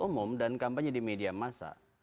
umum dan kampanye di media masa